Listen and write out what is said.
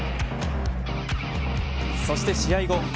そして試合後